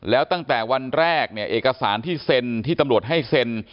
แล้วตั้งแต่วันแรกเนี่ยเอกสารที่เซ็นที่ตำรวจให้เซ็น